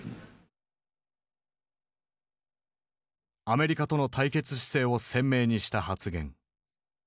アメリカとの対決姿勢を鮮明にした発言。